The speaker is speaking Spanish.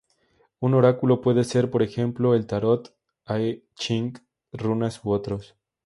Un oráculo puede ser, por ejemplo el Tarot, I-Ching, runas u otros.